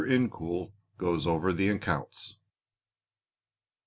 INCOUL GOES OVER THE ACCOUNTS.